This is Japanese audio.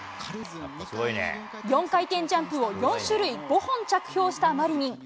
４回転ジャンプを４種類５本着氷したマリニン。